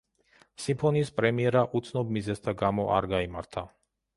სიმფონიის პრემიერა უცნობ მიზეზთა გამო არ გაიმართა.